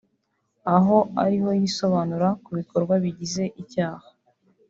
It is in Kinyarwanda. aho ariho yisobanura ku bikorwa bigize icyaha